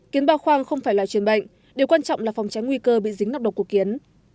kiến bà khoang không phải loài chuyên bệnh điều quan trọng là phòng tránh nguy cơ bị dính nọc độc của kiến